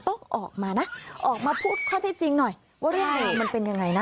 ต้องออกมานะออกมาพูดข้อเท็จจริงหน่อยว่าเรื่องราวมันเป็นยังไงนะ